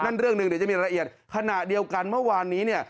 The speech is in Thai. เรื่องหนึ่งเดี๋ยวจะมีรายละเอียดขณะเดียวกันเมื่อวานนี้เนี่ย